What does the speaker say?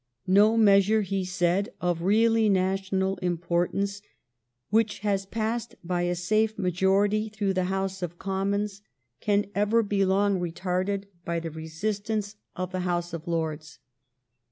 No meas ure, he said, of really national importance which has passed by a safe majority through the House of Commons can ever be long retarded by the resistance of the House of Lords.